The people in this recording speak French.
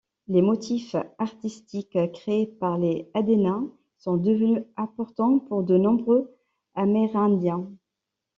Les motifs artistiques créés par les Adena sont devenus importants pour de nombreux Amérindiens.